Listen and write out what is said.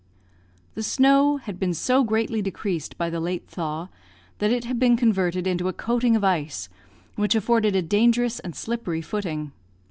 The snow had been so greatly decreased by the late thaw, that it had been converted into a coating of ice, which afforded a dangerous and slippery footing.